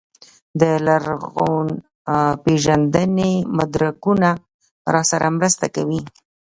لرغونپېژندنې مدرکونه راسره مرسته کوي.